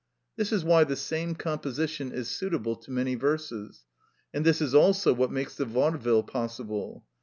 This is why the same composition is suitable to many verses; and this is also what makes the vaudeville possible.